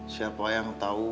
siapa yang tau